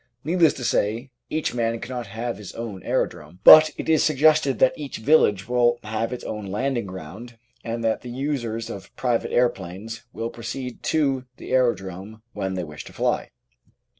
Needless to say, each man cannot have his own aerodrome, but it is suggested that each village will have its own landing ground and that the users of private aeroplanes will proceed to the aero drome when they wish to fly.